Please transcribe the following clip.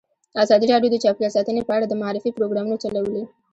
ازادي راډیو د چاپیریال ساتنه په اړه د معارفې پروګرامونه چلولي.